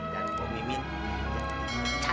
dan pak mimin pecah